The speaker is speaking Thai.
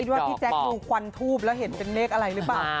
ว่าพี่แจ๊คดูควันทูบแล้วเห็นเป็นเลขอะไรหรือเปล่า